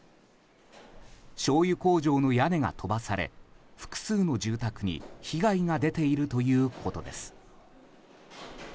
しょうゆ工場の屋根が飛ばされ複数の住宅に被害が出ているということです。